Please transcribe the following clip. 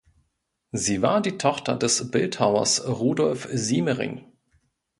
Sie war die Tochter des Bildhauers Rudolf Siemering.